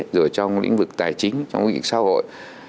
rồi trong lĩnh vực tài chính trong lĩnh vực xã hội